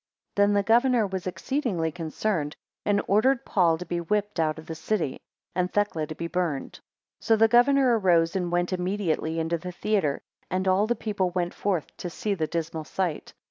9 Then the governor was exceedingly concerned, and ordered Paul to be whipt out of the city, and Thecla to be burnt. 10 So the governor arose, and went immediately into the theatre; and all the people went forth to see the dismal sight.